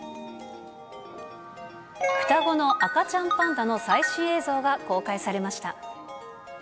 双子の赤ちゃんパンダの最新映像が公開されました。